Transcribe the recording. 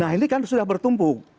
nah ini kan sudah bertumpu